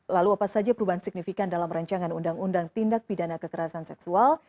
lalu apa saja perubahan signifikan dalam rancangan undang undang tindak pidana kekerasan seksual